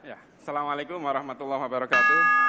assalamualaikum warahmatullahi wabarakatuh